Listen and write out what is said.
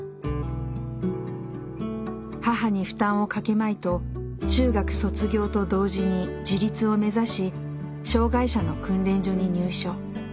母に負担をかけまいと中学卒業と同時に自立を目指し障害者の訓練所に入所。